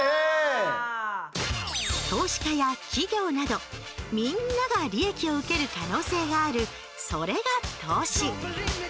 投資家や企業などみんなが利益を受ける可能性があるそれが投資。